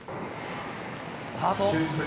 スタート。